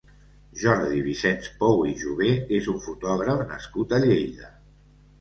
Jordi Vicenç Pou i Jové és un fotògraf nascut a Lleida.